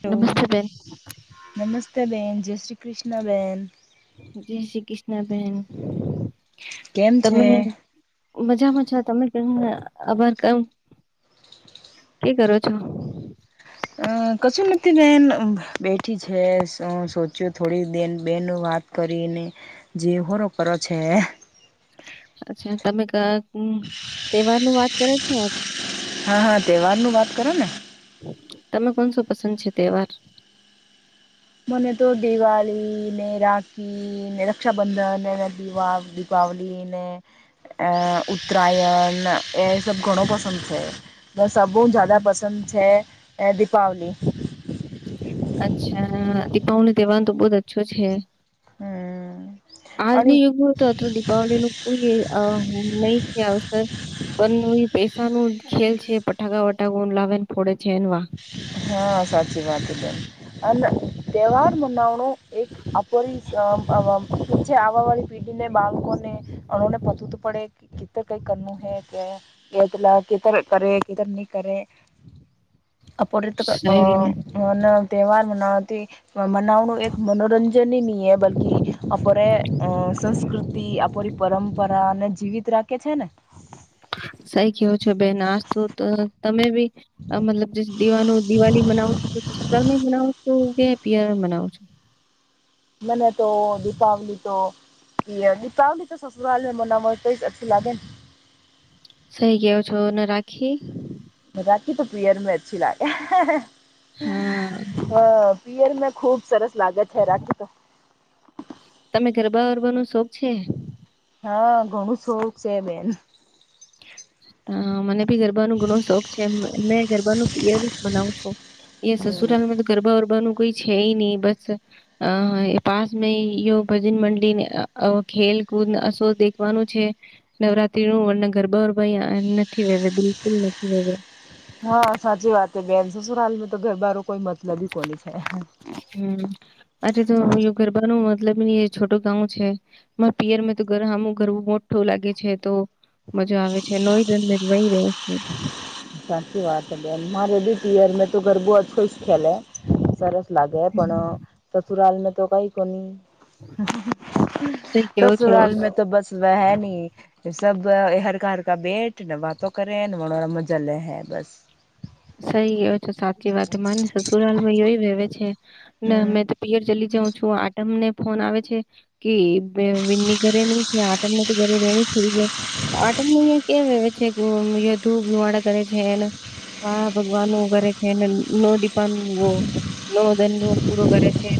Hello નમસ્તે બેન. નમસ્તે બેન જય શ્રી કૃષ્ણ બેન. ન બેન. કેમ છે? મજામા છો તમે કેમ આભાર કમ કે કરો છો? અ કશું નથી બેન બેઠી છે સો સોચ્યો થોડી બેન બેન વાત કરીને જેહોરો કરે છે. અચ્છા તમે ક અમ તહેવારની વાત કરે છે ને હા હા તહેવાર નું વાત કરો ને તમે કો ન શો શું પસંદ છે? તહેવાર? મને તો દિવાળી ને, રાખી ને, રક્ષાબંધન દીવા દી પાવલીને અ ઉત્તરાયણ એ સબ ઘણો પસંદ છે. બસ સ જદ પસંદ છે દીપાવલી અચ્છા દીપાવલી તહેવાર, તો બહ જ અચ્છો છે. હમ્મ આજની યુગમાં તો દિપાવલી નું કોઈ નહી છે અસર પણ એ પૈસા ન ખેલ છે પટાકા વટાગા લાવેને ફોડે છે એવા હા સાચી વાત બેન અને તહેવાર મનાવણું એક અપરીછ આવવા વાળી પેઢીને બાળકોને અણુને પતું તો પડે કધર કંઈ કરનું હૈ કે એતલા કેધર કરે કેધર નહીં કરે. આપડે આ અને તહેવાર મનાવથી મનાવનું એક મનોરંજનની મીએ બલકી અરે સંસ્કૃતિ આપણી પરંપરા ને જીવિત રાખે છે, ને સઈ કેવું છે, બે નાસ્તું તો તમે બી મતલબ જ દીવા દિવાળી મનાઓ તો તો સસુરાલ મનાઓ તો તે પર મનાવું છું. મને તો દીપાવલી તો એ તાવલી તો સસુરાલ મનાવા તો અછી લાગે ને. સહી ગયો છો ને રાખી? રાખી તો પિયર મે અચછી લાગે હા અ પિયર મેંતો ખુબ સરસ લાગે છે, રાખી તો, કોનો શોખ છે? હા ઘણું શોખ છે, બેન. હ મને. [inaudible] પિયર બનું ઘણો શોખ છે, મે ગરબા નું પિયરી બનાવુ છું. એ હમ. સસુરાલ મે ગરબા વર બાનું કોઈ છે, નહીં બસ અ પાસ મે યો ભજન મંડળલી ખેલ. શો દેખવાનું છે, નવરાત્રી નું વર્ણ. ગરબા ગરબા નથી વ્યા બિલકુલ નથી, વ્યા હા સાચી વાત છે, બેન સસુરાલમાં તો ઘરબાર કોઈ મતલબ કોની છે, હમ અરે તો ગરબા નું મતલબ છોટું ગાવું છે, પિયર તોમું ગરબું મોટું લાગે. લાગે છે, તો મજા આવે છે, નો રન વહી રહ્યો છું. સાચી વાત હે બેન મા રેડી પીયર મેં તો ગરબું જ ખુશ ખેલે. સરસ લાગે પણ સસુરાલ ન તો કોની. સહી કેવો છો સસુરાલ મે તો બસ વેહની. સબ હરકા હરકા બેઠ ને વાતો કરે ને મજા લે હૈ બસ સહી ગયો છે, સાથ સાચી વાત માને સસુરાલ વહે છે, ને હમ મેને તો પિયર ચલી જાઉં છું આટમને ફોન. આવે છે, કે વિની ઘરે નહીં છે, આઠમમાં તો ઘરે વેણી થઈ જાય. આઠમું અહિયાં યા કેમ આવે છે, ધૂપ ધુમાડા કરે છે. ને હા ભગવાન વગરે છે, ને નો દીપાનું વોવ. નવોદન નું પૂરો કરે છે.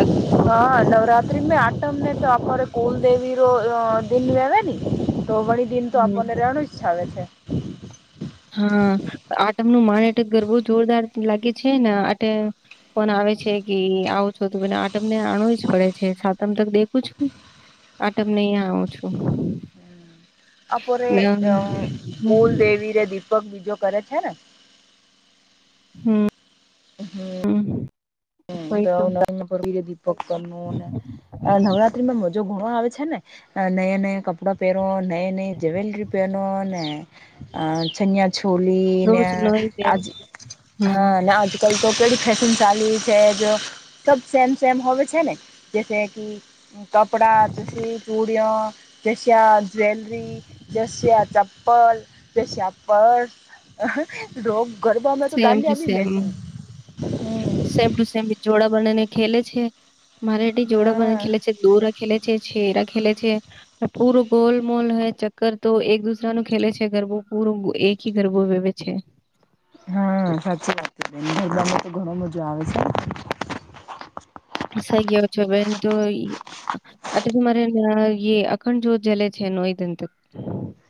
અગો હા નવરાત્રી મેં આઠમને તો આપખરે કુલદેવી રો દિન વ ને તો વણી દિન તો આપણને હમ રહેનું જાવે છે. હા આઠમનું માને એટ ગરવો જોરદાર લાગે છે, ને આઠે. ફોન આવે છે, કે આવે છો તોને આઠમને આવું જ પડે છે, સાતમ તક દેખું છું. આ તમને અહીંયા આવું છું. આપરે ને હમ કુલદેવી દીપ લગગ બીજો કરે છે ને હમ હમ તો દીપક કરી નવરાત્રીમાં મજો બવ આવે છે ને નયા નયા કપડાં પહેરો નય નઈ જવેલરી પહેરો ને એ ચણિયા છોલીને રોજ નઈ બેન આજ હમ હા આજ કલ તો કેડી ફૅશન ચાલી છે જો સબ સેમસેમ હવે છે ને કપડા એ જશે આ જ્વેલરી જ શયા પર રેશિયા પર રોગ ગરબામાં તો સેમ ટુ દાંડિયા બી સેમ મેસી હ સેમ ટુ સેમ જોડા બને ને ખેલે છે મારાટી જોડા બને હા ખેલે છે દોરા ખેલે છે ખેલે છે પૂરો ગોલ મોલ હો ચક્કર તો એક દુસરા નું ખેલે છે ગરબું પૂરું કે ગરબો વેવે છે હા સાચી વાત છે બેજામાં તો ઘણ મજા આવે છે થઈ ગયો છો બેન તો આટ તો મારે ઈ અખંડ જ્યોત જલે છે એનું અંત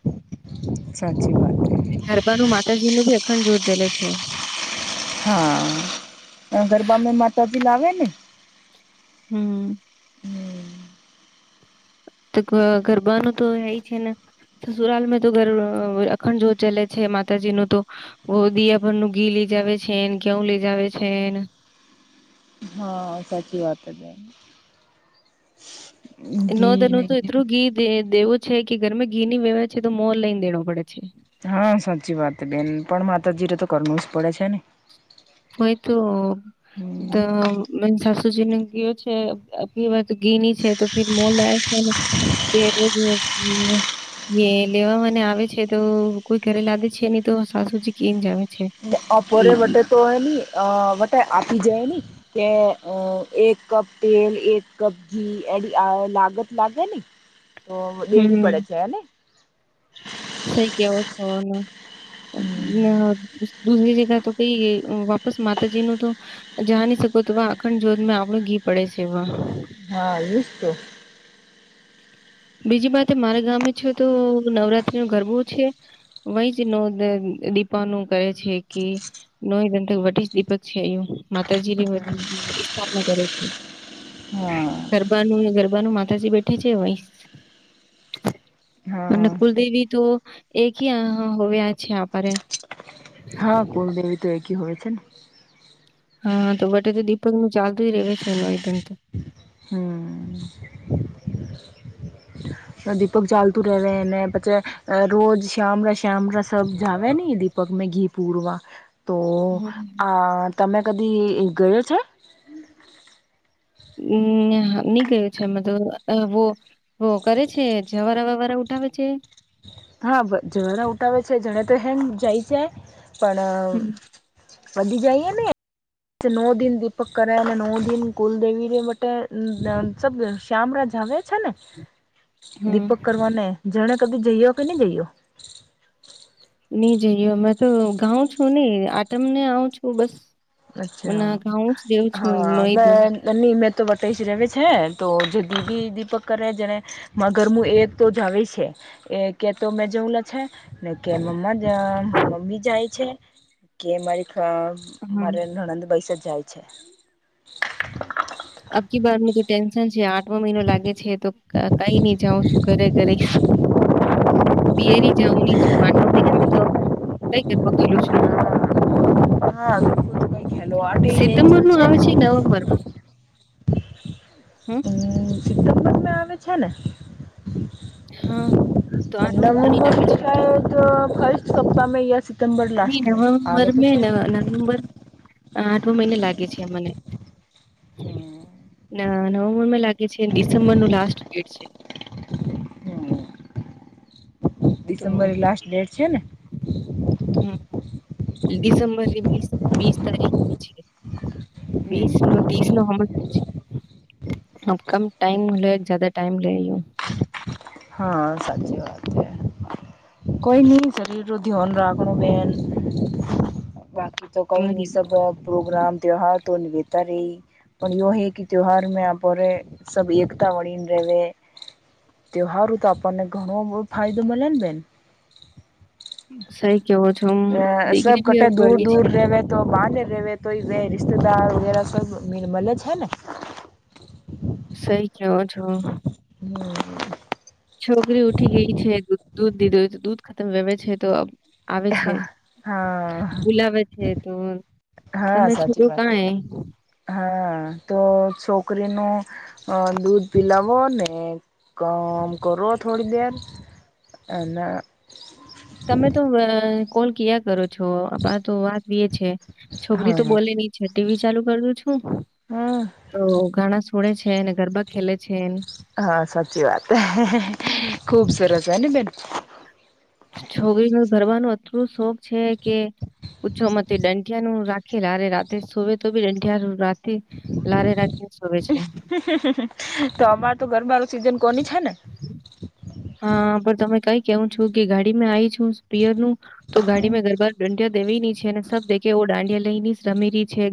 હ ગરબાનું માતાજી નું ભી અખંડ જ્યોત ચલે છેછ હા ગરબામાં માતાજીલાવે ને હમ તો ગરબાનું તો એય છે ને સસુરાલમે તો અખંડ જ્યોત જલે છે છે માતાજી નું તો વો દિયા ભરનુ ગીલી લઈ જાવ છે કેવ લઈ જાવ છે હા સાચી વાત નોંધ ઘી ન ને તો ઘી એટલું ઘી દેવું છે કે ઘરમાં ઘી ની વ્યવહ છે તો મોન લઈને દેણો પડે છે હા સાચી વાત બેન પણ માતાજી ને તો કરવુ જ પડે છે ને હઈ તો હમ સુજીને ગયો છે ફી વાત ગીની છે તો ફીર મોલા છે બે રોજ એ લેવા મને આવે છે તો કોઈ ઘરે લાદે છે નહી તો સાસુજી કેમ જ આવે છે. અપોરે વટે તો એ નની વટે આપી જાય ન કે એક કપ તેલ એક કપ ઘી એ લાાગત લગે ન તો દેણી હમ્મ પડે છે એને સહી કેવો નો [inaudible] દુધરી ને તો કઈ વાપસ માતાજી નું તો જા ન શકો તો અખંડ જોત મેં આવુ ગી પડે છે વા હા એજ તો બીજી વાતે મારા ગામે છે તો નવરાત્રી ન ગરબો છે વહી જ ન દીપાનું કરે છે કે નોઈક વટી જ દીપક છે અ માતાજી ઈ સ્થાપના કરે છે હા. ગરબાનું ગરબાનું માતાજી બેઠે વહી [inaudible] અને હા કુલદેવી તો એ ક હી હોવે છે આપરે હા કુલદેવી તો એકી હોય છે ને હા તો બટે તો દીપક નું ચાલતું જ રવે છે એનું હમ દીપક ચાલતુ રેવે ને પછે રોજ શામ કેમરા સબ જાવે ની દીપક મે ઘી પૂરવા તો હમ્મ. આ તમે કદી ગયો છે હમ ની ગયો છે મેં તો ધુંવો હો કરે છે જવારા વવારા ઉઠાવે છે હા જવારા ઉઠાવે છે જણે તો હેમ જાય જાય પણ હમ્મ વધી જાય એ ને નો દિન દીપક કરે અને નો દિન કુલદેવી રે બટ સબ શામ રાજ જવે છે ને હમ્મ. દીપક કરવાને જણે કદી જઈ્યો કે નહી જઈયો નઈ જઈએ અમે તો ગાઉં છું. ને આટમને આવ છું. બસ અચ્છા ના ગાઉં જ રેવું છું હા નોઈ મે દન નિમે તો બતાય જ ર છે તો જે દીદી દીપક કરે જેને મા ઘરમું એક તો જ આવે છે એ કે તો મેં જવું લ છે. ને કે મમ્મા જ મમ્મી જાય છે કે મારી હમ મારે નણંદ બૈસ જ જાય છે જે આઠમો મહિનો લાગે છે તો કઈ નહી જાઉં છું ઘરે ઘરે પિયરી જવની છે માટમે તો તોય ગરબા ખેલું છું હા કઈ સિતમ્બર ખડી નું આવે છેને છે નવેમ્બર હમ સિતમ્બરમાં આવે હા તો છે આઠમો મહિનો ની લાગે છે [inaudible] સપ્તાહમાં સિતમ્બર નહી લાસ્ટમાં નવમ્બર આવે તો મે છે ન નવમ્બર આઠમો મહિને લાગે છે મને હમ નવેમ્બર મા લાગે છે ડિસેમ્બર નુ લાસ્ટ ડેટ છે તો ડિસેમ્બર લાસ્ટ ડેટ છે ને હમ ડિસેમ્બરી વીસ તારીખ છે વીસ હમ નો ત્રીસ નોમ અ કમ ટાઈમલો એક જ્યાદા ટાઈમ લ્યો હા સાચી વાત છે કોઈ ન શરીરનુ ધ્યાન રાખનુ બેન બાકી તો કઈ નને સબ પ્રોગ્રામ ત્યોહાર તો ભીતર હિ પણ હે કે ત્યોહાર મે આપોણે સબીરતા વળીન રહે તેહારું તો આપણને ઘણો ફાયદો મળે ને બેન કેવો છો અમ અ સબ દીકરી બી કટે હવે દૂર બળી દૂર છે રવે તો બંદેદેવે તો બે રિશ્તેદાર વગેરે મલે છે ને સહી કયોહો છો હમ છોકરી ઉઠી ગઈ છે દૂધ દીધુ તો દૂધ ખતમ હેવે છે તો આવે છે હા બુલાવે છે તો હા તમે સાચી છોકરું વાત કાંઈ હા તો છોકરીને નો દૂધ પીલાવો ને કામ કરો થોડી દેર અને તમે તો કોલ કીયા કરો છો તો વાત એ છે છોકરી તો હા. બોલે નહી છઠ બી ચાલુ કર દુ છું હમ તો ઘણા જોડે છે અને ગરબા ખેલે છે. હા સાચી વાત ખુબ સરસ હેને બેન છોકરીઓ ગરબાનુ અટલુ શોખ છે કે પૂછો મત દાંઢીયા ન રાખે લારે રાતે સોવે તો બી દંડિયા રા લારે રાખી સુવે છે તો અમાર તો ગરબાનું સિઝન કોની છે ને હા પણ તમે કઈ કેવું છો કે ગાડીમાં આવીઈ છું સપીયર નું તો ગાડીમાં ગરબા દાંડિયા દેવી છે. અને સબ દે એવ દાંડિયા લ લઈને રમે ર છે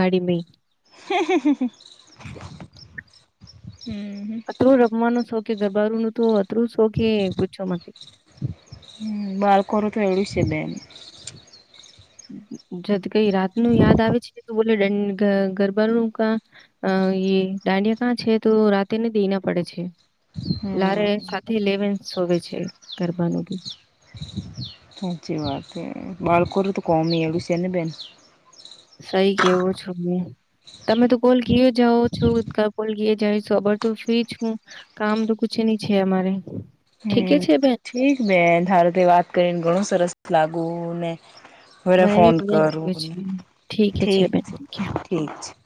ગાડી મે હ હ હમ હ. ગબારું નું તો અતરું શો કે પૂછો મત. હમ બાળકોરું તો એવડું છે બેન. જત કઈ રાત નુ યાદ આવે છે. એટલે ગ ગરબા નું કા અ એ ડાંડિયા કાં છે તો રાતેને દઈ ના પડે છે. લારે હમ. સાથે લેવે સોવે છે ગરબાનું. સાચી વાત એ બાળકોર તો કોમી એવુ છેને બેન. તઈ કેવું છોને. તમે તો કોલ કીએ જાઓ છો કા કોલ કીએ જઈશું ખબર તો ફ્રી છું કામ તો કુછ. ની છે અમારે. ઠીકે હમ છે બેન ઠીક બેન ધાર તે વાત કરીને ઘણું સરસ લાગુ ને. ખરા મને ફોન બી બઢિયા લાગ્યો કરુંને છે ઠીકે ઠીક બેન છે ઠીકે. ઠીક છે. [inaudible]